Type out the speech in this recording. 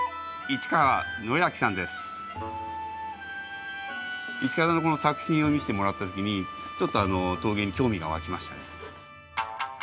市川さんの作品を見せてもらったときにちょっと陶芸に興味が湧きましたね。